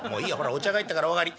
お茶が入ったからおあがり」。